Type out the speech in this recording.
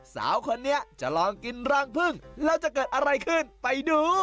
สาวคนนี้จะลองกินรังพึ่งแล้วจะเกิดอะไรขึ้นไปดู